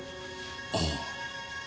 ああ。